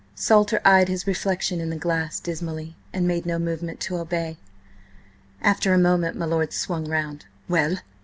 Salter eyed his reflection in the glass dismally, and made no movement to obey. After a moment my lord swung round. "Well!